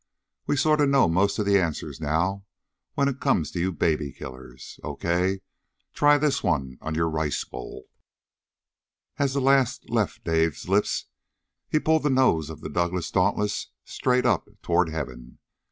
We sort of know most of the answers, now, when it comes to you baby killers. Okay! Try this one on your rice bowl!" As the last left Dave's lips he pulled the nose of the Douglass Dauntless straight up toward Heaven.